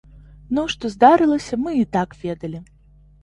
Ну што здарылася, мы і так ведалі.